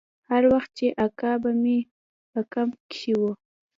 هر وخت چې اکا به مې په کمپ کښې و.